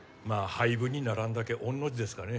廃部にならんだけ御の字ですかね